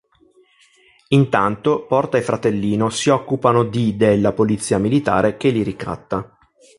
Intanto, Porta e Fratellino si occupano di della polizia militare, che li ricatta.